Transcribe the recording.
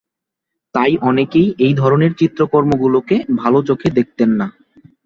তাই অনেকেই এই ধরনের চিত্রকর্ম গুলোকে ভালো চোখে দেখতেন না।